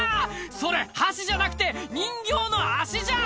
それ箸じゃなくて人形の足じゃん！